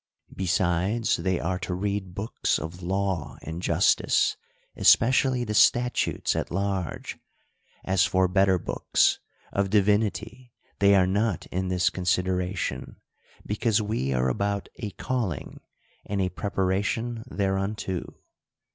Besides, they are to read books of law and justice ; especially the statutes at large. As for better books, of divinity, they are not in this consideration ; because we are about a calling, and a preparation thereunto.